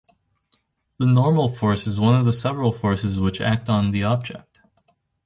The normal force is one of several forces which act on the object.